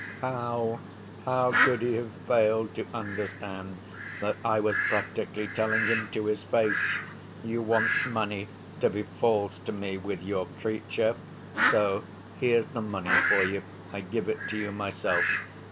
How, how could he have failed to understand that I was practically telling him to his face, 'You want money to be false to me with your creature, so here's the money for you. I give it to you myself.